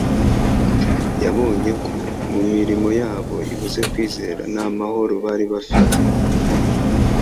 Yabonye ko mu mirimo yabo ibuze kwizera nta mahoro bari bafite